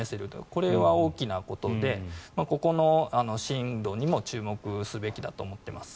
これは大きなことでここの進路にも注目すべきだと思っています。